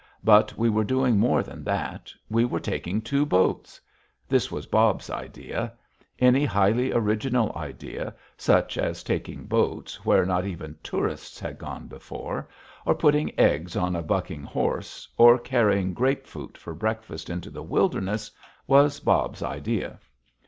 But we were doing more than that we were taking two boats! This was Bob's idea. Any highly original idea, such as taking boats where not even tourists had gone before, or putting eggs on a bucking horse, or carrying grapefruit for breakfast into the wilderness, was Bob's idea.